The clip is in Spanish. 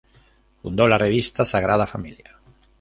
Fundó la revista "Sagrada Familia".